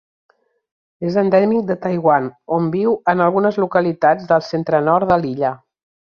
És endèmic de Taiwan, on viu en algunes localitats del centre-nord de l'illa.